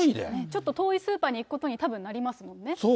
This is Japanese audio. ちょっと遠いスーパーに行くことに、たぶんなりますもんね。